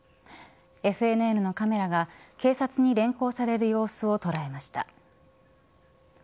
ＦＮＮのカメラが警察に連行される様子を捉えました。